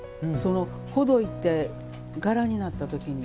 ほどいて、柄になった時に。